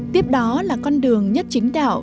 tiếp đó là con đường nhất chính đạo